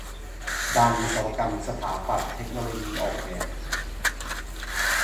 ด้านวิศวกรรม สถาปัตย์ เทคโนโลยี ออกแบบ